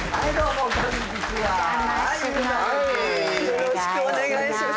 よろしくお願いします。